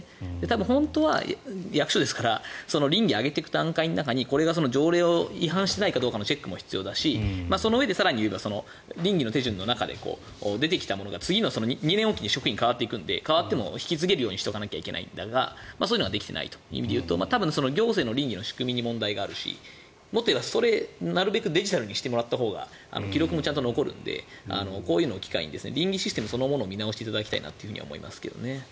多分、本当は役所ですから稟議を上げていく段階の中に条例に違反していないかどうかのチェックも必要だしそのうえで更に言えば稟議の手順の中で出てきたものが次の２年おきに職員が代わっていくので代わっても引き継げるようにしないといけないんだけどそういうのができていないという意味で言うと行政の稟議の仕組みに問題があるしもっといえばなるべくデジタルにしてもらったほうが記録も残るので稟議システムそのものも見直していただきたいなと思います。